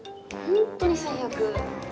◆本当に最悪。